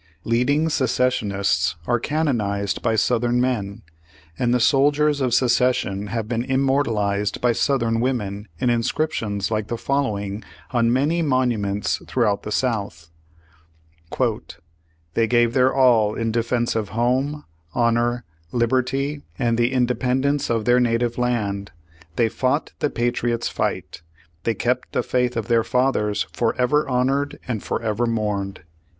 Leading secessionists are cannonized by Southern men, and the soldiers of secession have been im mortalized by Southern women in inscriptions Page One Hundred fifty like the following on many monuments throughout the South: "They gave their all in defense of Home, Honor, Liberty, and the Independence of their NATIVE LAND. THEY FOtlGHT THE PATRIOTS' FIGHT. They kept the faith of their fathers, forever honored and forever mourned."